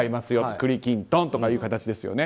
栗きんとん、とかいう形ですよね。